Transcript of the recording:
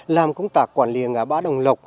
làm công tác quản lý ngã ba đồng lộc